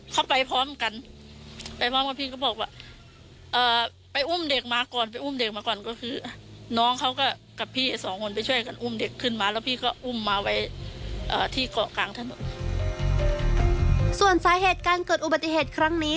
ส่วนสาเหตุการเกิดอุบัติเหตุครั้งนี้